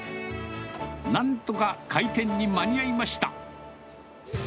なんとか開店に間に合いました。